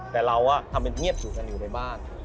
แต่เราทำเป็นเงียบอยู่กันอยู่ในบ้าน